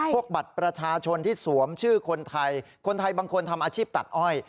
บัตรประชาชนที่สวมชื่อคนไทยคนไทยบางคนทำอาชีพตัดอ้อย